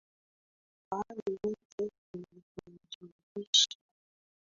Kwa hali zote umenijulisha